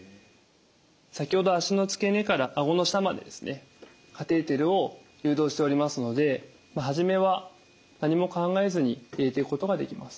先ほど脚の付け根からあごの下までですねカテーテルを誘導しておりますので初めは何も考えずに入れていくことができます。